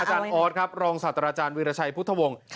ออสครับรองศาสตราจารย์วีรชัยพุทธวงศ์